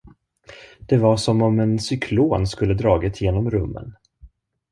Det var som om en cyklon skulle dragit genom rummen.